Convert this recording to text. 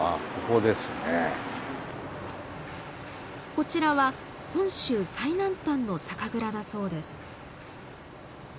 こちらは本州最南端の酒蔵だそうです。